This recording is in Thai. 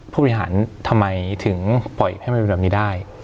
ผู้บริหารทำไมถึงปล่อยให้มันเป็นแบบนี้ได้